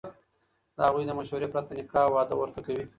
د هغوی د مشورې پرته نکاح او واده ورته کوي،